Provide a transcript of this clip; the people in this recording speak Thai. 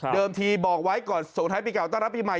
ทีบอกไว้ก่อนส่งท้ายปีเก่าต้อนรับปีใหม่